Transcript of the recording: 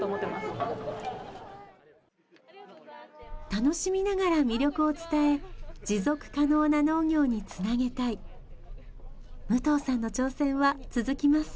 楽しみながら魅力を伝え持続可能な農業につなげたい武藤さんの挑戦は続きます